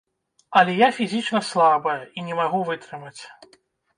Але я фізічна слабая і не магу вытрымаць.